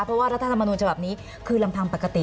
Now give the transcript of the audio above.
เพราะว่ารัฐธรรมนูญฉบับนี้คือลำพังปกติ